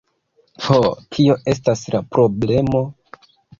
Oh, kio estas la problemo?